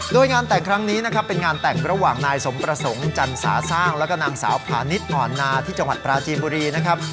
โดยงานแต่งครั้งนี้นะครับเป็นงานแต่งระหว่างนายสมประสงค์จันสาสร้างแล้วก็นางสาวพาณิชย์อ่อนนาที่จังหวัดปราจีนบุรีนะครับ